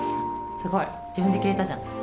すごい自分で着れたじゃん。